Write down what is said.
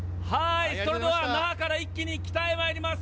それでは那覇から一気に北へまいります。